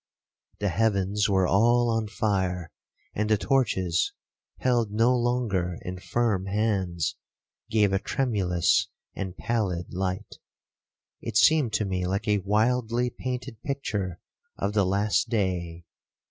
The heavens were all on fire—and the torches, held no longer in firm hands, gave a tremulous and pallid light. It seemed to me like a wildly painted picture of the last day.